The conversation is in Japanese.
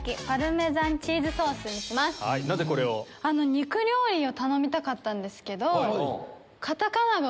肉料理を頼みたかったんですけど。